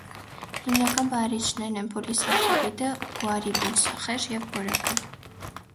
Հիմնական բաղարիչներն են պոլիսախարիդը (գուարի բուսախեժ) և բորակը։